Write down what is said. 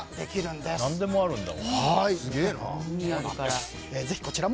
何でもあるんだ。